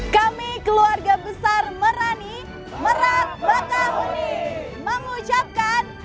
kami keluarga besar merani merak mengetahui mengucapkan